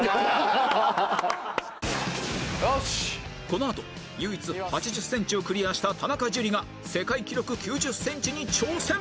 このあと唯一８０センチをクリアした田中樹が世界記録９０センチに挑戦